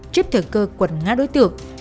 trước thử cơ quật ngã đối tượng